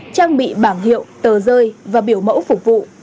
trang bị bảng hiệu tờ rơi và biểu mẫu phục vụ